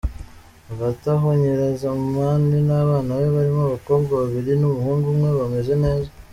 Hagati aho Nyirazamani n’abana be barimo abakobwa babiri n’umuhungu umwe bameze neza.